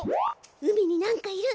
海に何かいる。